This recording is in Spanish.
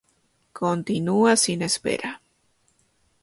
Continúa sin espera...